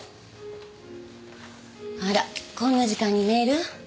あらこんな時間にメール？